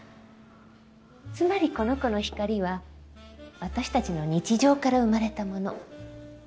つまりこの子の光は私たちの日常から生まれたもの。